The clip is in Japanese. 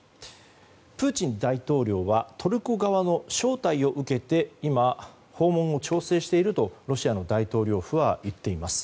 プーチン大統領はトルコ側の招待を受けて今、訪問を調整しているとロシア大統領府は言っています。